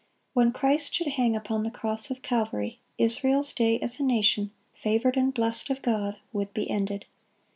When Christ should hang upon the cross of Calvary, Israel's day as a nation favored and blessed of God would be ended.